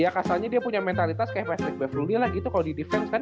iya kasalnya dia punya mentalitas kayak pastek bevrool dia lah gitu kalo di defense kan